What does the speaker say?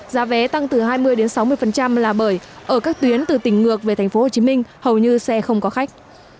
giá vé tăng từ hai mươi sáu mươi là bởi ở các tuyến từ tỉnh ngược về tp hcm hầu như xe không có khách